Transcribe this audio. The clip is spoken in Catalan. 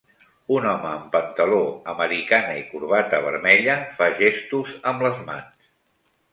Un home amb pantaló, americana i corbata vermella fa gestos amb les mans.